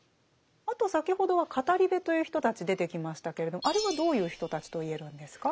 あと先ほどは語部という人たち出てきましたけれどあれはどういう人たちと言えるんですか？